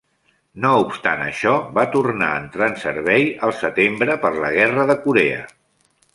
No obstant això, va tornar a entrar en servei al setembre per la guerra de Corea.